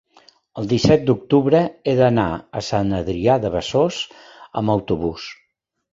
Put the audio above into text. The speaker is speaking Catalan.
el disset d'octubre he d'anar a Sant Adrià de Besòs amb autobús.